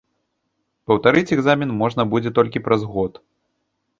Паўтарыць экзамен можна будзе толькі праз год.